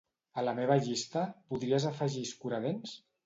A la meva llista, podries afegir escuradents?